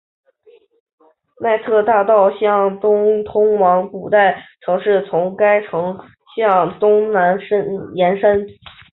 普奈勒斯蒂大道向东通往古代城市从该城向东南延伸。